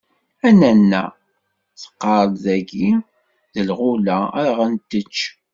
A nanna... teqqar-d tayi d lɣula ad ɣen-tečč!